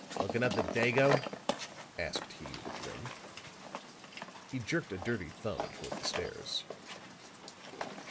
"Looking up the Dago?" asked he with a grin. He jerked a dirty thumb toward the stairs.